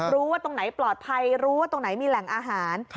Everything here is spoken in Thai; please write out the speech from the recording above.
รู้ว่าตรงไหนปลอดภัยรู้ว่าตรงไหนมีแหล่งอาหาร